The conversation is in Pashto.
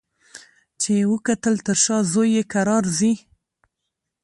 چي یې وکتل تر شا زوی یې کرار ځي